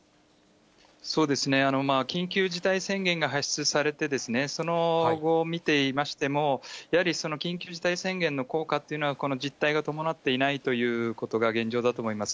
そうですね、緊急事態宣言が発出されて、その後、見ていましても、やはり緊急事態宣言の効果っていうのは、この実体が伴っていないということが現状だと思います。